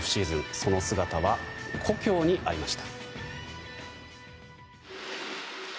その姿は故郷にありました。